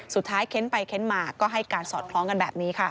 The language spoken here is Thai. เค้นไปเค้นมาก็ให้การสอดคล้องกันแบบนี้ค่ะ